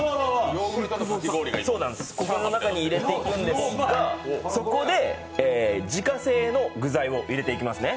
ここの中に入れていくんですが、そこで自家製の具材を入れていきますね。